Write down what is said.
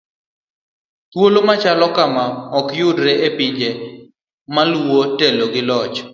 thuolo machalo kama okyudre e pinje maluwo telo gi loch